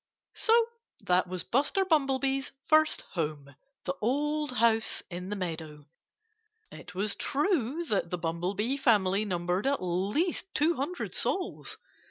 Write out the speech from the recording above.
So that was Buster Bumblebee's first home the old house in the meadow. It was true that the Bumblebee family numbered at least two hundred souls.